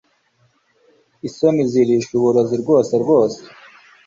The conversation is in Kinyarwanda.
isoni zirisha uburozi rwose rwose